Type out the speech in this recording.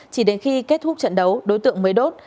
chỉ đến khi kết thúc trận đấu đối tượng mới đốt